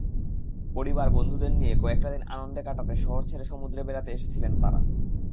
পরিবার, বন্ধুদের নিয়ে কয়েকটা দিন আনন্দে কাটাতে শহর ছেড়ে সমুদ্রে বেড়াতে এসেছিলেন তাঁরা।